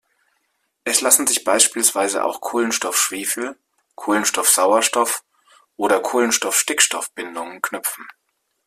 Es lassen sich beispielsweise auch Kohlenstoff-Schwefel-, Kohlenstoff-Sauerstoff- oder Kohlenstoff-Stickstoff-Bindungen knüpfen.